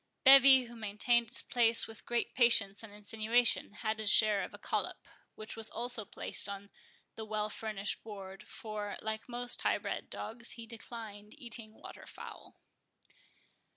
Bevis, who maintained his place with great patience and insinuation, had his share of a collop, which was also placed on the well furnished board; for, like most high bred dogs, he declined eating waterfowl.